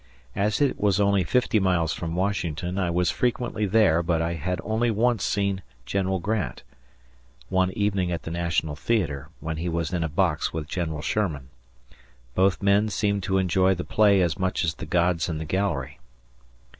As it was only fifty miles from Washington, I was frequently there, but I had only once seen General Grant one evening at the National Theatre, when he was in a box with General Sherman. Both men seemed to enjoy the play as much as the gods in the gallery.